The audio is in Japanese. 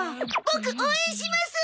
ボク応援します！